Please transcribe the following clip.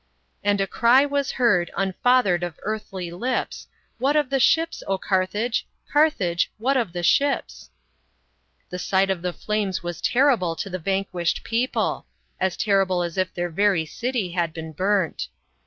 " And a cry was heard, unfathered of earthly lips, What of the ships, Carthage ? Carthage, what of the ships 1 " The sight 01 the flames was terrible to the van > quished people as ter rible as if their very city had been burnt.